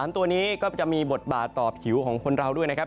ตัวนี้ก็จะมีบทบาทต่อผิวของคนเราด้วยนะครับ